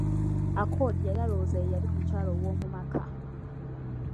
Accord yali alowooza ye yali omukyala owoomu maka.